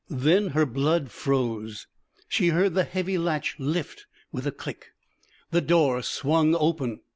Then her blood froze. She heard the heavy latch lift with a click. The door swung open.